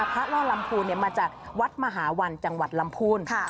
ล่อลำพูนมาจากวัดมหาวันจังหวัดลำพูน